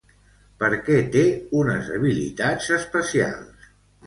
Per què té unes habilitats especials?